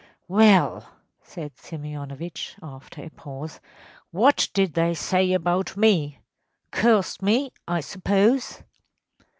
‚ÄĚ ‚ÄúWell,‚ÄĚ said Simeonovitch, after a pause, “what did they say about me? Cursed me, I suppose?